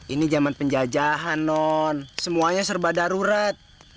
ini zaman penjajahan non semuanya serba darurat